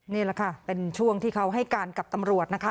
นี่แหละค่ะเป็นช่วงที่เขาให้การกับตำรวจนะคะ